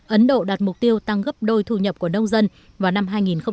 ấn độ đạt mục tiêu tăng gấp đôi thu nhập của nông dân vào năm hai nghìn hai mươi